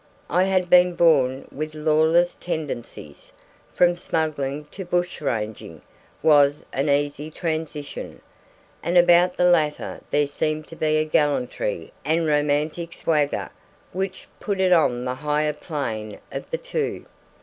I had been born with lawless tendencies; from smuggling to bushranging was an easy transition, and about the latter there seemed to be a gallantry and romantic swagger which put it on the higher plane of the two.